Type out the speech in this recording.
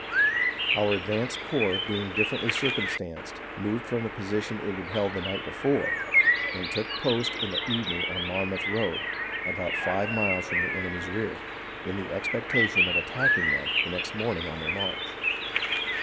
Our advanced corps being differently circumstanced moved from the position it had held the night before, and took post in the evening on the Monmouth road, about five miles from the enemy's rear, in the expectation of attacking them the next morning on their marcli.